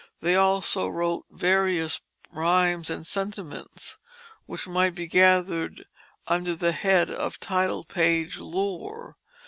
They also wrote various rhymes and sentiments, which might be gathered under the head of title page lore.